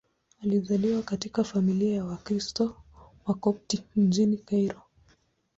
Alizaliwa katika familia ya Wakristo Wakopti mjini Kairo.